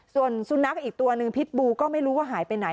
ส่วนสุนัขอีกตัวหนึ่งพิษบูก็ไม่รู้ว่าหายไปไหน